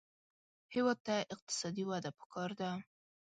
هېواد ته اقتصادي وده پکار ده